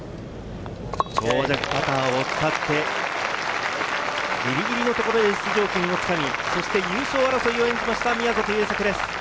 長尺パターを使って、ギリギリのところで出場権を掴み、優勝争いを演じました、宮里優作です。